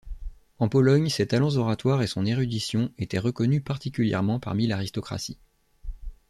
En Pologne, ses talents oratoires et son érudition étaient reconnus, particulièrement parmi l'aristocratie.